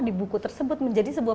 di buku tersebut menjadi sebuah